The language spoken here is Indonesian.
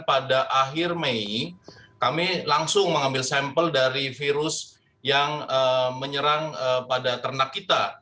pada akhir mei kami langsung mengambil sampel dari virus yang menyerang pada ternak kita